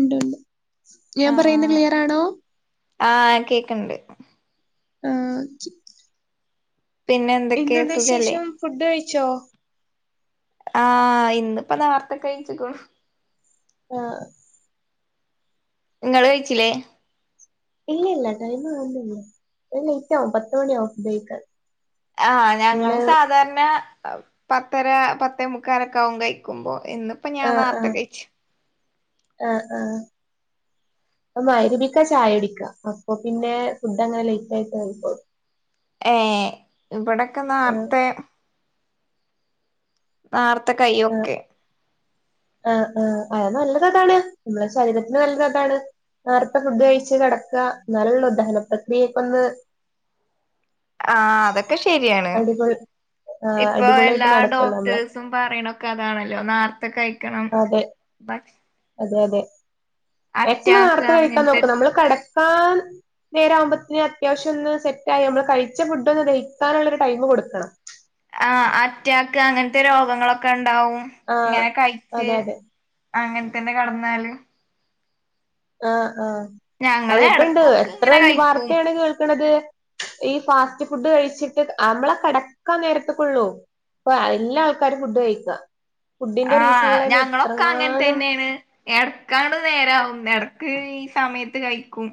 ഉണ്ട് ഉണ്ട് ഞാൻ പറയുന്നെ ക്ലിയറാണോ ആ കേക്ക്ണ്ട് ആ പിന്നെ എന്തൊക്കെ സുഖല്ലേ ച്ചോ ആ ഇന്നിപ്പം നാർത്തെ കഴ്ച്ച്ക്കു ആ ഇങ്ങൾ കഴിച്ചിലെ ഇല്ല ഇല്ല ടൈമ് ആവുന്നൊള്ളു ഞാൻ ലേറ്റ് ആവും പത്തു മണി ആവും ഫുഡ്‌ കൈക്കാൻ ആ ഞങ്ങളും സാധാരണ പത്തര പത്തേ മുകാലൊക്കെ ആവും കഴിക്കുമ്പോ ഇന്നിപ്പോ ഞാൻ നാർത്ത കഴിച്ചു ആ ആ ഞാ മഹിരിബിക്കാ ചായ കുടിക്കാ അപ്പൊ പിന്നെ ഫുഡ് അങ്ങനെ ലേറ്റ് ആയിട്ട് കൈക്കൊള്ളൂ ഏ ഇബടെക്കെ ആഹ് നാർത്തെ നാർ ത്തെ കയ്യും ഒക്കെ ആ ആ അയ് നല്ലത് അതാണ് നമ്മള ശരീരത്തിന് നല്ലത് അതാണ് നേർത്തേ ഫുഡ് കഴിച്ച് കടക്കാ ന്നാലൊള്ളു ദഹന പ്രക്രിയയൊക്കെ ഒന്ന് ആ അതൊക്കെ ശരിയാണ് അടിപൊളി ആഹ് ഇപ്പൊ അടിപൊളിയായിട്ട് എല്ലാ നടക്കുള്ളൂ നമ്മളെ ഡോക്ടേഴ്സും പറിണൊക്കെ അതാണല്ലോ നാർത്തെക്കെയി കണം അതെ ദക്ഷ അതെ അതെ എച്ച് മാർത്ത അറ്റാക്ക് കഴിക്കാൻ നോക്ക അങ്ങനത്തെ നമ്മള് കട ൻ നേര ആവുമ്പോത്തേന് അത്യാവശ്യം ഒന്ന് സെറ്റായി നമ്മള് കഴിച്ച ഫുഡ് ഒന്ന് ദഹിക്കാനുള്ളൊരു ടൈം കൊടുക്കണം ആ അറ്റാക് ക്ക് അങ്ങനത്തെ രോഗങ്ങളൊക്കെ ണ്ട് ഉണ്ടാവും ആഹ് ഇങ്ങനെ കഴിച്ച് അതെ അതെ അങ്ങനത്തന്നെ കടന്നാല് ആ ആ അതെ ഞങ്ങള് എപ്പുണ്ട് എടക്കൊക്കെ എത്ര ഇങ്ങനെ കഴിക്കും വാർത്തയാണ് കേൾക്കണത് ഈ ഫാസ്റ്റ് ഫുഡ് കഴിച്ചിട്ട് നമ്മളെ കിടക്കാൻ നേരത്ത കൊള്ളും അപ്പൊ എല്ലാ ആൾക്കാരും ഫുഡ് കഴിക്ക ആ ഞങ്ങളൊക്കെ അങ്ങനെത്തെ തന്നെയാണ് എടക്കാണ്ട് നേരാവുല്ലാര് ക്ക് ഈ സമയത്ത് കഴിക്കും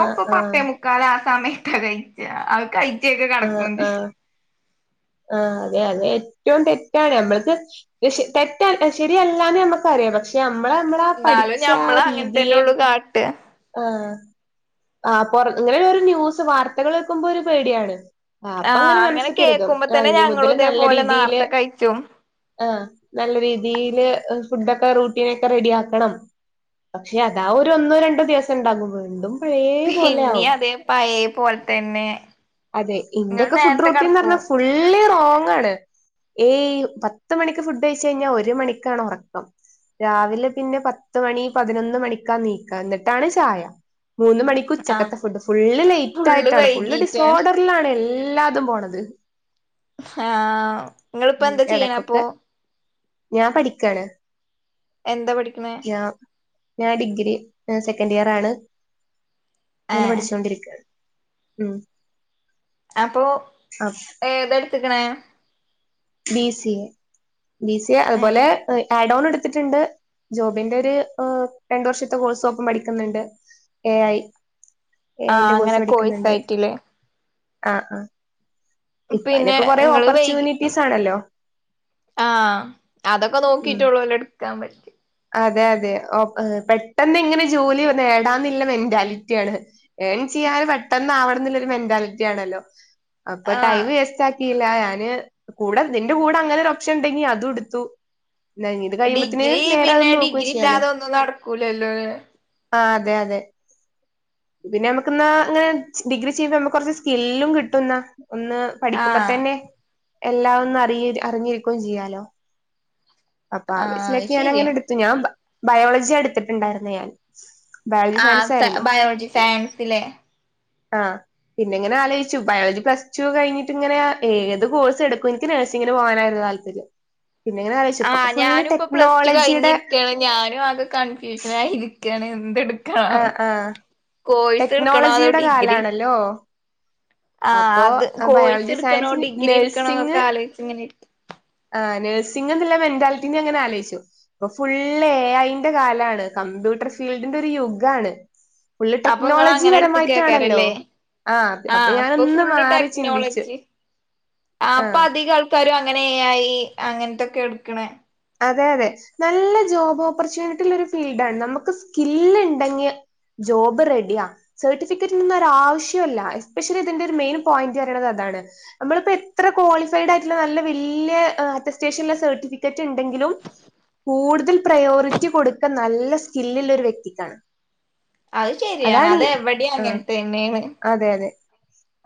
ആഹ് ആഹ് പത്തേമുക്കാലാ സമയത്ത കയിച്ച കയി കേക്ക് കടക്കണ്ട് ആ അതെ അതെ ഏറ്റവും തെറ്റാണ് നമ്മക്ക് തെറ്റാ ശരിയല്ലാന്ന് നമ്മക്കറിയാം പക്ഷെ നമ്മള നമ്മളാ എന്നാലും പഠിച്ച ആ ഞമ്മള് അങ്ങനെ തന്നെ രീതിയെ ഉള്ളു കാട്ടാ ആ ആ പുറ ഇങ്ങനെ ഒരു ന്യൂസ് വാർത്തകൾ വെക്കുമ്പോ ഒരു പേടിയാണ് ആ അപ്പ ആഹ് അങ്ങനെ മനസ്സ കരുതും കേക്കുമ്പോ ആ തന്നെ ഇനി മുതല് ഞങ്ങളും നല്ല ഇതേപോലെ രീതിയില് നേർത്തെ കഴിച്ചും ആ നല്ല രീതിയില് ഫുഡൊക്കെ റൂട്ടീനൊക്കെ റെഡിയാക്കണം പക്ഷെ അതാ ഒരു ഒന്നോ രണ്ടോ ദിവസം ഇണ്ടാകും വീണ്ടും പഴയ പോലെ പിന്നെ ആവും അതെ പയേ പോലെ തന്നെ അതെ ഇങ്ങള് ഇന്ത്യൊക്കെ ഫുഡ് നേരത്തെ റോട്ടീന്ന് കെടക്കോ പറഞ്ഞ ഫുള്ളി റോ ഏയ് പത്ത് മണിക്ക് ഫുഡ് കയിച്ച് കഴിഞ്ഞാ ഒരു മണിക്കാണ് ഉറക്കം രാവിലെ പിന്നെ പത്ത് മണി പതിനൊന്ന് മണിക്കാ നീക്ക എന്നിട്ടാണ് ചായ മൂന്ന് മണിക്കു ആഹ് ഉച്ചക്കത്തെ ഫുഡ് ഫുള്ള് ഫുള്ള് ലേറ്റായിട്ടാണ് ഫുള്ള് വൈകീട്ടാണ് ഡിസോർഡർ എല്ലാതും പോണത് ആ നിങ്ങൾപ്പോ ഉം എന്താ എടക്കൊക്കെ ചെയ്യണപ്പൊ ഞാൻ പഠിക്കാണ് എന്താ പഠിക്കണെ ഞാൻ ഞാൻ ഡിഗ്രി സെക്കൻഡ് ഇയർ ആണ് ങ്ങനെ ഏഹ് പടിച്ചൊണ്ടിരിക്കാണ് ഉം അപ്പൊ ആഹ് ഏതെടുത്ത്ക്ക്ണെ ബി സി എ ബിസ്യ ഏഹ് അതുപോലെ ആ ഡൗൺ എട്ത്തിട്ട്ണ്ട് ജോബിന്റെര് രണ്ടു വർഷത്തെ കോഴ്സോ ഒപ്പം പഠിക്കുന്നുണ്ട് എ ഐ എ ആ അങ്ങനെ കോയ്സായിട്ട്ല്ലേ ആ ആഹ് പിന്നെ ഇപ്പയ്നൊക്കെ കൊറെ ഇങ്ങള് വൈകി ഓപ്പർച്യൂണിറ്റീസ് ആണല്ലോ ആഹ് അതൊക്കെ ഉം നോക്കിട്ടൊള്ളല്ലോ ഇട്ക്കാൻ പറ്റ അതെ അതെ ഓക്ക് പെട്ടെന്ന്ങ്ങനെ ജോലി നേടാന്ന്ല്ല മെന്റാൽറ്റിയാണ് ഏൺ ചെയ്യാന് പെട്ടെന്ന് ആവണ്- ഒന്നല്ലേലും മെന്റാലിറ്റി ആണല്ലോ അപ്പൊ ടൈം ആഹ് വേസ്റ്റ് ആ യില്ല ഞാന് കൂടെ നിന്റെ കൂടെ അങ്ങനെ ഒരു ഒപ്ഷൻ ഉണ്ടെങ്കി അതും ഇടുത്തു നാ ഇഞ് ഇത് കഴിയുമ്പത്ത്ന് ഡിഗ്രി പിന്നെ ഡിഗ്രി ഇല്ലാതെ ഒന്നും നടക്കൂലല്ലോ ആ അതെ അതെ പിന്നെ നമുക്ക്ന്നാ ഇങ്ങനെ ഡിഗ്രി ചെയ്യുമ്പോ നമ്മക്ക് കുറച്ച് സ്കില്ലും കിട്ടുംന്നാ ഒന്ന് പഠിക്കുമ്പോ ആഹ് തന്നെ എല്ലാം ഒന്ന് അറി അറിഞ്ഞി ക്കും ചെയ്യാലോ അപ്പ ആ ആഹ് [unintelligible] അത് ഞന് ശരിയാ അങ്ങെന്നെ എടുത് ഞാ ബ ബയോളജി എടുത്തിട്ടുണ്ടായിരുന്ന ഞാൻ ബയോളജി ആ സയൻസ് സ ബയോളജി സയൻസിലെ ആ പിന്നെ ഇങ്ങനെ ആലോചിച്ചു ബയോളജി പ്ലസ് ടു കഴിഞ്ഞിട്ട് ഇങ്ങനെ ഏത് കോഴ്സ് എടുക്കും എനിക്ക് നേഴ്സിങ്ങിന് പോകാനായിരുന്ന് താല്പര്യം പിന്നെ ഇങ്ങനെ ആലോചിച്ചു ആ ഇപ്പൊക്കെ ഫുള്ള് ഞാൻ ഇപ്പോ പ്ലസ് ടു ടെക്നോളജിയുടെ കഴിഞ്ഞിരിക്കയാണ് ഞാനും ആകെ കൺഫ്യൂഷൻ ആയി ഇരിക്കുകാണ് എന്തെടുക്ക് ക്കാ ആഹ് ആഹ് കോഴ്സ് എടുക്കണോ അതോ ടെക്നോളജിയുടെ ഡിഗ്രി കാലാണല്ലോ ആ അപ്പോ അത് കോഴ്സ് ബയോളജി എടുക്കണോ സയൻസ് ഡിഗ്രി എടുക്കണോക്കെ ആലോചിച്ച ഇങ്ങനെഇരിക്കാ ആ നഴ്സിംഗ എന്നുള്ള മെന്റാലിറ്റിനെ അങ്ങനെ ആലോചിച്ചു ഇപ്പൊ ഫുള്ള് എ ഐന്റെ കാലമാണ് കമ്പ്യൂട്ടർ ഫീൽഡിന്റെ ഒരു യുഗാണ് ഫുള്ള് അപ്പൊ നിങ്ങള് ടെക്നോളജി അങ്ങനെ എടുത്ത പരമായിട്ടാണല്ലോ കേക്കാരല്ലേ ആഹ് ആ അപ്പൊ ഞാനൊന്ന് ഫുള്ള് മാറി ചിന്തിച്ചു ടെക്നോളജി അപ്പൊ ആഹ് അധിക ആൾക്കാരും അങ്ങ് - അങ്ങനെ എ ഐ അങ്ങനത്തൊക്കെ എടുക്കണേ അതെ അതെ നല്ല ജോബ് ഓപ്പർച്യൂണിറ്റിള്ള ഒരു ഫീൽഡ് ആണ് നമുക്ക് സ്കിൽ ഉണ്ടെിൽ ജോബ് റെഡിയാ സർട്ടിഫിക്കറ്റൊന്നും ആവശ്യമല്ല എസ്പെഷ്യലി ഇതിന്റെ ഒരു മെയിൻ പോയിന്റ് പറയത് അതാണ് നമ്മളിപ്പോ എത്ര ക്വാളിഫൈഡ് ആയിട്ടുള്ള നല്ല വലിയ അറ്റസ്റ്റേഷൻള്ള സർട്ടിഫിക്കറ്റ്- ണ്ടെങ്കിലും കൂടുതൽ പ്രയോറിറ്റി കൊടുക്ക നല്ല സ്കില്ലിൽ ഒരു വ്യക്തിക്കാണ് അത് ശരിയാണ് അതാണ് ഈ അതെവിടെ ആഹ് അങ്ങനത്തന്നെയണ് അതെ അതെ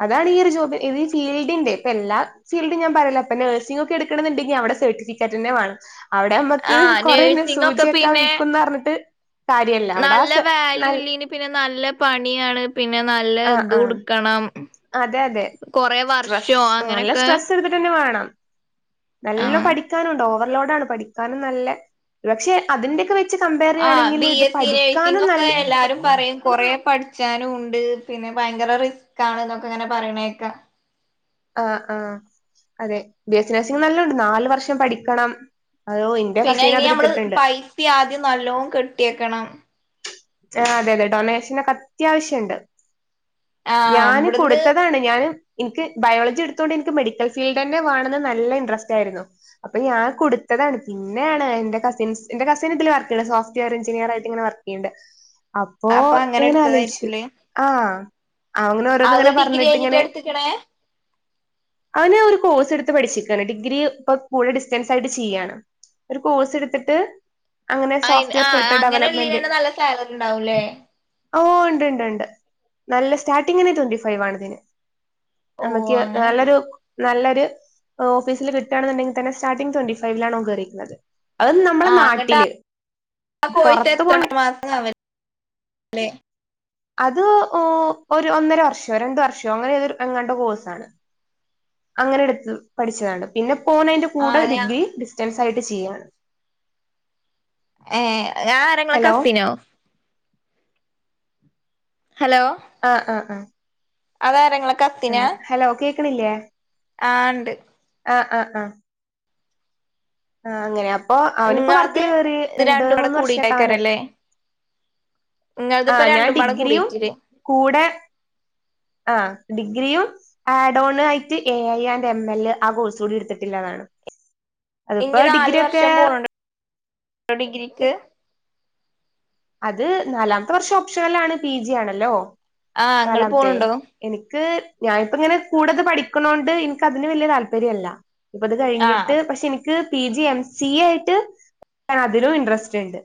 അതാണ് ഈ ഒരു ജോബ് ഈ ഫീൽഡിന്റെ ഇപ്പൊ എല്ലാ ഫീൽഡും ഞാൻ പറയല ഇപ്പൊ നഴ്സിംഗ് ഒക്കെ എടുക്കുന്നുുണ്ടെങ്കിൽ അവിടെ സർട്ടിഫിക്കറ്റ് തന്നെ വേണം അവിടെ നമ്മക്ക് ആ കൊറേ നേഴ്സിംഗ ഒക്കെ സൂചിയൊക്കെ പിന്നെ വീക്കുംന്ന് പറഞ്ഞിട്ട് കാര്യല്ല അവിടെ ആ നല്ല സെ വാല്യൂ നൽ ഇല്ലനി പിന്നെ നല്ല പണിയാണ് പിന്നെ നല്ല ആഹ് ഇത് ആഹ് കൊടുക്കണം അതെ അതെ സ്ട്രെസ് നല്ല അങ്ങനൊക്കെ സ്ട്രെസ്സ് എടുത്തിട്ട് തന്നെ വേണം [inaudible] നല്ല ആഹ് പഠിക്കാനുംണ്ടോ ഓവ പഠിക്കാനും നല്ലെ പക്ഷെ അതിന്റെൊക്കെ - ആ ബി എസ് സി നൽ നേഴ്സിങ്ങൊക്കെ എല്ലാരും പറയും കൊറേ പട്ച്ചാനും ണ്ട് പിന്നെ ഭയങ്കര റിസ്ക് ആണ്ന്നൊക്കെ ഇങ്ങനെ പറയണേക്ക ആ ആഹ അതെ ബി എസ് നഴ്സിംഗ് നല്ല ഉണ്ട് നാലു വർഷം പഠിക്കണം അതോ ഇന്റെ പിന്നെ കസീൻ ഇനി നമ്മള് അതെടുത്തിട്ടുണ്ട് പൈസ ആദ്യം നല്ലോം കെട്ടിയക്കണം. ആ അതെ അതെ ഡൊണേഷനൊക്കെ അത്യാവശ്ണ്ട് ആഹ് ഞാന് ഇവിടുന്ന് കൊടുത്തതാണ് ഞാന് നിക്ക് ബയോളജി എടുതോണ്ട് എനിക്ക് മെഡിക്കൽ ഫീൽടെന്നെ വാണംന്ന് നല്ല ഇൻട്രസ്റ്റ് ആയിരുന്നു അപ്പൊ ഞാൻ കൊടുത്തതാണ് പിന്നേണ് എൻന്റെ കസിൻസ് എന്റെ കസിൻ ഇതിൽ വർക്ക് ചെയ്യത് സോഫ്റ്റ്വെയർ എഞ്ചിനീയർ ആയിട്ട് ഇങ്ങനെ വർക്ക് ചെയ്യണ്ട് അപ്പോ അപ്പൊ അങ്ങനെ ങ്ങനെ ആലോയ്ച്ചു എടുത്തതായിരിക്കുംല്ലേ ആഹ അത് ഡിഗ്രി കഴിഞ്ഞിട്ട എടുത്തക്കണേ ആ ഞാ ഒരു കോഴ്സ് എടുത്ത് പഠിച്ചിരിക്കയാണ് ഡിഗ്രി ഇപ്പൊ കൂടെ ഡിസ്റ്റൻസ് ആയിട്ട് ചെയ്യയാണ് ഒരു കോഴ്സ് എടുത്തിട്ട് അങ്ങനെ അ സോഫ്റ്റ്വെയർ ആ് ഫിൽട്ടർ അങ്ങനെ ഉള്ളീന ഡെവലപ്മെന്റ് തന്നെ നല്ല സാലറി ണ്ടാവുലെ? ഓ ഉണ്ട്ണ്ട്ണ്ട് നല്ല സ്റ്റാർട്ടിങ്ങെന്നെ ട്വന്റി ഫൈവ് ആണ് ഇതിന് ഓഹ് നമ്മക്ക്‌യ് അങ്ങനെണ്ട് നാള്ളോരു നല്ലൊരു ഓഫിസിൽ കിട്ടാണ്ന്ന്ണ്ടെങ്കിതന്നെ സ്റ്റാർട്ടിംഗ് ട്വന്റി ഫൈവിലാണ് ഓൻ കേറീക്ക്ണത് അത് നമ്മുടെ ആഹ് അങ്ങട്ട് നാട്ടില് ആ പുറത്ത കൊണ്ട് ലെ അത് ഒരു ഒന്നര വർഷോ രണ്ട വർഷോ അങ്ങനെത എങ്ങാണ്ട കോഴ്സാണ് അങ്ങനെ എടുത്ത് പഠിച്ചതാണ് പിന്നെ പോകുന്നതിന്റെ കൂടെ ആഹ് ഞാ ഡിഗ്രി ഡിസ്റ്റൻസ്. യിട്ട് ചെയ്യാ ഏ ആരെങ്ങളെ കസിനോ? ആ ആ ആ ആതാരങ്ങളെ ഹലോ കേ ക്ക്ണില്ലേ ആണ്ട്. ആഹ ആ ആ ആഹ അങ്ങനെ. അപ്പൊ അവനി ഇപ്പോ ഇങ്ങളത് വർക്കില് കേറി ഇത് രണ്ട് രണ്ടും കൂടെ മൂന്ന് വർഷമായിട്ട അവനെ കൂടിയിട്ടേക്കാരല്ലേ ഇങ്ങളത് ആ ഇപ്പ ഞാൻ രണ്ടുംപാടെ ഡിഗ്രിയും കൂടിയിട്ടില്ലേ കൂടെ ആഹ ഡിഗ്രിയും ആഡോൺ ആയിട്ട് A I and M L ആ കോഴ്സ് കൂടി എടുത്തിട്ടില്ലതാണ് അതിപ്പോ ഇനി നാാലു ഡിഗ്രി ഒക്കെ വർഷം പോണ്ടോ ഡിഗ്രിക്ക്. അത് നാലാമത്തെ വർഷം ഓപ്ഷണെൽ ആണ് പി ജി ആണല്ലോ ആഹ് ഇങ്ങള് നാലാത്തെ പോണുണ്ടോ എനിക്ക് ഞാനിപ്പ ഇങ്ങനെ കൂടെത് പഠിക്കണോണ്ട് ഇൻക്ക്‌ ‌ അതിന് വലിയ താൽപര്യല്ല ഇപ്പ ഇത് ആഹ് കഴിഞ്ഞിട്ട് പക്ഷേ ഇനിക്ക് P G M C A ആയിട്ട് ആ അതിലും ഇൻട്രസ്റ്റ് ഇണ്ട്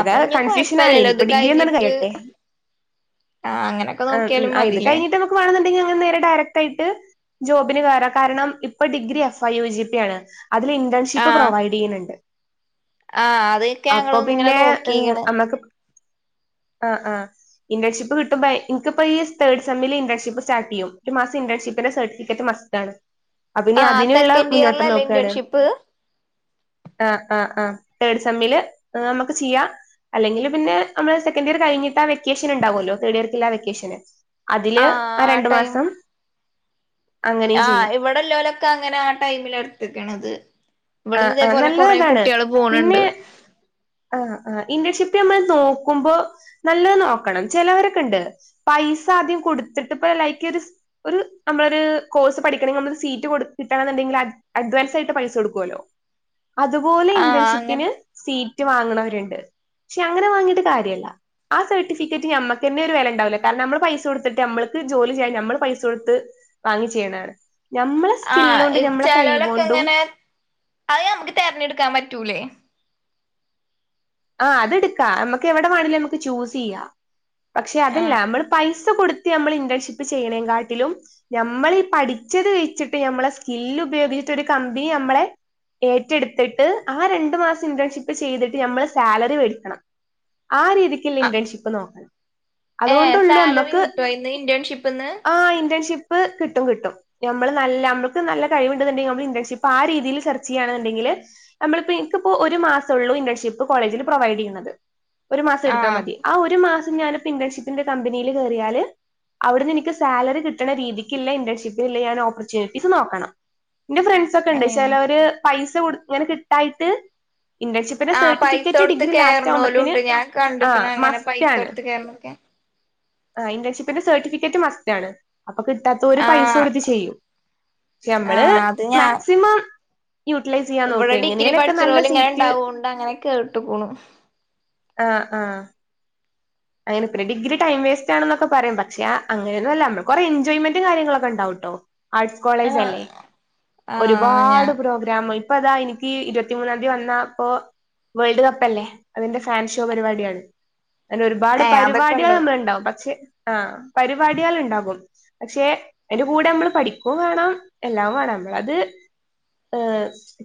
അപ്പൊ ഇനി കൺഫ്യൂഷൻ ആണ് കൊഴപ്പല്ലല്ലോ ഇനി ഇത് ഇപ്പൊ ഡിഗ്രി ഒന്നൊന്ന് കഴിഞ്ഞിട്ട് കഴിയട്ടെ ആഹ് അങ്ങനൊക്കെ നോക്കിയാലും ആം ഇത് മതില്ലേ കഴിഞ്ഞിട്ട് നമുക്ക് വാണം കയിഞങ്ങ് നേരെ ഡയറക്റ്റ് ആയിട്ട് ജോബിന് കേറാം കാരണം ഇപ്പൊ degree F I U GP ആണ് അതില് ഇന്റേൺഷിപ്പ് ആഹ് പ്രൊവൈഡ് ചെയ്യ്ണ് ണ്ട് ആഹ് അദേക്കെ ഞങ്ങള് ഇങ്ങനെ നോ ഹ് അമ്മക്ക് ആ ആ ഇന്റേൺഷിപ്പ് കിട്ടുമ്പ ഇനിക്കിപ്പോ ഈ തേഡ് സെമ്മില് ഇന്റേൺഷിപ്പ് സ്റ്റാർട്ട് ചെയ്യും ഒരു മാസം ഇന്റേൺഷിപ്പിന്റെ സർട്ടിഫിക്കറ്റ് മസ്റ്റാണ് അപ്പൊ ഇനി ആഹ് അതിനുള്ള സെക്കൻഡ് മുന്നോട്ടം ഇയറിലല്ലേ നോക്കാണ് ഇന്റേൺഷിപ്പ് ആഹ് ആഹ് ആഹ് തേഡ് സെമ്മില് ന നമ്ക്ക് ചെയ്യാം അല്ലെങ്കില് പിന്നെ നമ്മള് സെക്കന്റെയിറ് കഴിഞ്ഞിട്ടാ ആ വെക്കേഷന്ണ്ടാവല്ലോ തേർഡ് ഇയർക്ക്‌ള്ള ആ വെക്കേഷന് അതില് ആഹ് ആ രണ്ടു ടൈം മാസം അങ്ങനെയും ആഹ് ചെയ്യാം ഇവടെല്ലൊലൊക്കെ അങ്ങനെ ആ ടൈമിലാ എട്ത്തിക്ക്‌ണത് ആ ആ നല്ലതാണ് പിന്നെ ആ ആ ഇന്റേൺഷിപ്പ് ഞമ്മള് നോക്കുമ്പോ നല്ലത് നോക്കണം ചെലവരൊക്കെണ്ട് പൈസ ആദ്യം കൊട്ത്തിട്ട്പ്പ ലൈക്ക് ഒര് ഒര് നമ്മളൊര് ഒര് കോഴ്സ് പഠിക്കണങ്കി നമ്മ ഒരു സീറ്റ് കൊടു കിട്ടണെന്ന്ണ്ടെങ്കിൽ അഡ്വാൻസായിട്ട് പൈസ കൊടുക്ക്‌വല്ലോ അതുപോലെ ആഹ് അങ്ങനെ ഇന്റേൺഷിപ്പിന് സീ റ്റ് വാങ്ങ്ണോര്ണ്ട് ഷേ അങ്ങനെ വാങ്ങീട്ട് കാര്യല്ല ആ സർട്ടിഫിക്കറ്റ് ഞമ്മക്ക്ന്നെ ഒര് വെലണ്ടാവില്ല കാരണം ഞമ്മള് പൈസ കൊട്ത്തിട്ട് ഞമ്മള്ക്ക് ജോലി ചെയ്യാൻ ഞമ്മള് പൈസ കൊട്ത്ത് വാങ്ങി വാങ്ങിച്ചെയ്യണാണ് ഞമ്മളെ ആഹ് സ്കില്ലൊണ്ടും ഞമ്മളെ കഴിവോണ്ടും അയ് ഞമ്മക്ക് തെരഞ്ഞെടുക്കാൻ പറ്റൂലേ ആ അതിടുക്കാ ഞമ്മക്ക് എവ്ടെ വാണേലും ഞമ്മക്ക് ചൂസ്യ്യാം പക്ഷേ അതല്ല ആഹ് മ്മള് പൈസ കൊടു റ്റ് ഞമ്മള് ഇന്റേൺഷിപ്പ് ചെയ്യേണെ ങ്കാട്ടിലും ഞമ്മള് ഈ പഠിച്ചത് വെച്ചിട്ട് ഞമ്മളെ സ്ക്കിൽ ഉപയോഗിച്ച് ഒര് കമ്പിനി ഞമ്മളെ ഏറ്റെടുത്ത്ട്ട് ആ രണ്ടു മാസം ഇന്റേൺഷിപ്പ് ചെയ്തിട്ട് ഞമ്മള് സ് സാലറി വേടിക്കണം ആ രീതിക്ക്ള്ള ഇന്റേൺഷിപ്പ് നോക്കണം ഏ അതുകൊണ്ടുള്ളൂ സാലറി നമ്മക്ക് കിട്ടുവോ അയിന്ന് ഇന്റേൺഷിപ്പ്ന്ന് പ്പ് കിട്ടും കിട്ടും ഞമ്മള് നല്ല ഞമ്മക്ക് നല്ല കഴിവുണ്ട്ന്ന്ണ്ടെങ്കി നമ്മള് ഇന്റേൺഷിപ്പ് ആ രീതിയില് സെർച്ച്യ്യാണ് ണ്ടെങ്കില് നമ്മളിപ്പോ ഇൻക്ക്‌പ്പോ ഒരു മാസഒള്ളു ഇന്റേൺഷിപ്പ് പ്പോ കോളേജിൽ പ്രൊവൈടെയ്യുന്നത് ഒരു മാസം എടുത്താ ആഹ് മതി ആ ഒരു മാസ് ഞാനി ഇന്റേൺഷിപ്പിന്റെ കമ്പിനില് കേറിയാല് അവിടുന്ന് ഇനിക്ക് സാലറി കിട്ടണ രീതിക്ക്ല്ലെ ഇന്റേൺഷിപ്പിൽ ഞാൻ ഓപ്പർച്യൂണിറ്റീസ് നോക്കണം എന്റെ ഫ്രണ്ട്സ് ഒക്കെണ്ട് ഏഹ് ചേലോര് പൈ ഇങ്ങനെ കിട്ടായിട്ട് ഇന്റർഷപ്പിനെ സ് ടുത്ത് കേയറണ ലും ഉണ്ട് ഞാൻ കണ്ടിക്കണ അങ്ങനെ മസ്റ്റ് പൈസ ആണ് കൊടുത്ത് കേയറണക്കെ സർട്ടി ഫിക്കറ്റ് മസ്റ്റ ണ് അപ്പൊ കിട്ടാത്ത ഒരു പൈസ ആഹ് കൊടുത്ത് ചെയ്യും പക്ഷെ നമ്മള് ആഹ് അത് ഞാൻ മാക്സിമം യൂട്ടിലൈസ് ചെയ്യാൻ നോക്കുക ഇവിടെ ഡിഗ്രി എങ്ങനെലൊക്കെ പഠിച്ച നല്ല പോലും ഇങ്ങനെ സീറ്റ് ഉണ്ടാവുകോണ്ട് അങ്ങനെ കേട്ട് പോണ ആഹ ആഹ അങ്ങനെ പിന്നെ ഡിഗ്രി ടൈം വേസ്റ്റ് ആണെന്നൊക്കെ പറയാ പക്ഷെ ആ അങ്ങനെയന്നല്ല നമ്മള് കൊറെ എൻജോയ്മെന്ും കാര്യങ്ങളൊക്കെണ്ടാവൂട്ടോ ആർട്സ് കോളേജ് ആഹ് അല്ലേ ആഹ് ഞാ ഒരുപാട് പ്രോഗ്രാാം അതാ എനിക്ക് ഇരുപ ത്തി മൂന്നാം തയതി വന്ന വേൾഡ് കപ്പല്ലേ അ ഫൻ ഷോ പരി പാടി ഉണ്ട് ഒരുപാട് ഏഹ് പരിപാടികൾ അതൊക്കെണ്ടോ നമ്മ ഉണ്ടാവും പക്ഷെ ആഹ പരിപാടിയാൽ ഉണ്ടാകും പക്ഷെ എന്റെ കൂടെ നമ്മൾ പഠിക്കയും വേണം എല്ലാവും വേണം നമ്മൾ അത്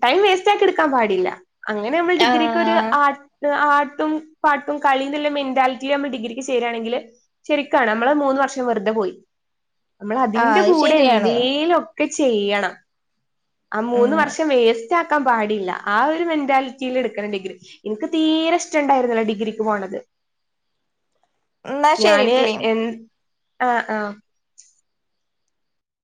ടൈം വേസ്റ്റ് ആക്കി എടുക്കാൻ പാടില്ല അങ്ങനെ നമ്മൾ ഡിഗ്രിക്ക് ആഹ് ഒരു ആഹ് ആ പ പാട്ടും കളിയ മെന്റാലിറ്റി ആമ്പോ ഡിഗ്രിക്ക് ചേരായാണെങ്കിൽ ശരിക്കാണ് നമ്മള് മൂന്ന് വർഷം വെറുതെ പോയി നമ്മൾ അതിന്റെ അത് കൂടെ ശരിയാണ് എന്തേലും ഒക്കെ ചെയ്യണം ആ മൂന്ന് ഉം വർഷം വേസ് ക്കാൻ പാടില്ല ആ ഒരു മെന്റാലിറ്റിൽ എടുക്കണ ഡിഗ്രി എനിക്ക് തീരെ ഇഷ്ടുണ്ടായിരുന്നല്ലോ ഡിഗ്രിക്ക് പോകണത് എന്നാ ശരിട്ടലീ ആഹ ആഹ